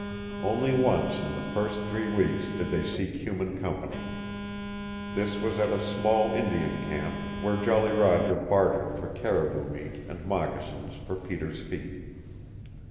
Only once in the first three weeks did they seek human company. This was at a small Indian camp where Jolly Roger bartered for caribou meat and moccasins for Peter's feet.